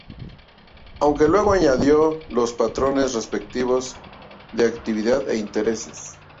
Aunque luego añadió los patrones repetitivos de actividad e intereses.